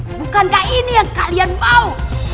oh bukankah ini yang kalian mau